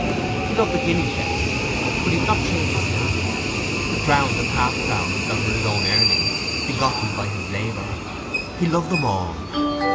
He loved the guineas best, but he would not change the silver—the crowns and half crowns that were his own earnings, begotten by his labour; he loved them all.